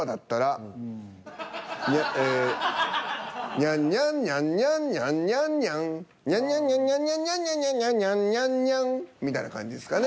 ニャンニャンニャンニャンニャンニャンニャンニャニャニャニャニャニャニャニャニャニャンニャンニャンみたいな感じですかね。